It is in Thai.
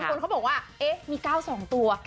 บางคนเค้าบอกว่ามี๙สองตัว